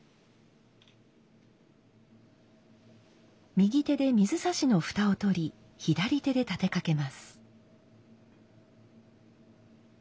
右手で水指の蓋を取り左手で立てかけます。